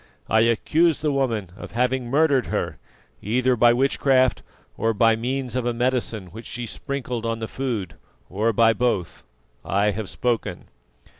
I accuse the woman of having murdered her, either by witchcraft or by means of a medicine which she sprinkled on the food, or by both. I have spoken."